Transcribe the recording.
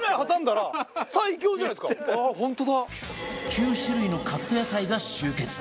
９種類のカット野菜が集結